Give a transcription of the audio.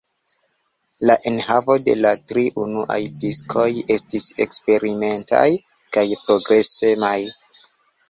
La enhavo de la tri unuaj diskoj estis eksperimentaj kaj progresemaj.